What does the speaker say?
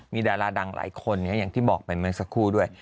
มีดาราดังหลายคนอย่างที่บอกไปเมื่อสักครู่ด้วย